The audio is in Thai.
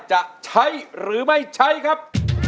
จะใช้หรือไม่ใช้ครับ